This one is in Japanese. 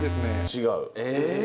違う。